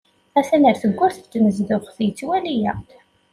Ha-t-an ɣer tewwurt n tnezduɣt, yettwali-aɣ-d.